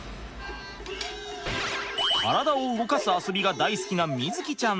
体を動かす遊びが大好きな瑞己ちゃん。